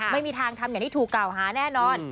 ไม่มีทางทำอย่างที่ถูกกล่าวหาแน่นอน